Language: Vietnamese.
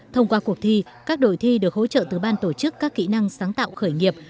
thông qua cuộc thi các đội thi được hỗ trợ từ ban tổ chức các kỹ năng sáng tạo khởi nghiệp